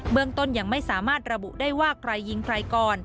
เมืองต้นยังไม่สามารถระบุได้ว่าใครยิงใครก่อน